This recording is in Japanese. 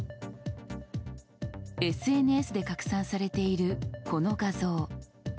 ＳＮＳで拡散されているこの画像。